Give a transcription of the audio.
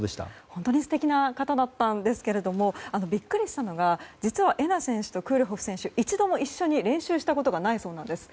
本当に素敵な方だったんですがビックリしたのが実は瑛菜選手とクールホフ選手は一度も一緒に練習したことがないそうなんです。